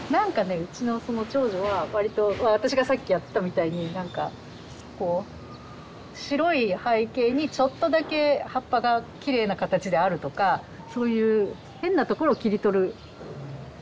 うちのその長女は割と私がさっきやってたみたいになんかこう白い背景にちょっとだけ葉っぱがきれいな形であるとかそういう変なところを切り取る人だったので。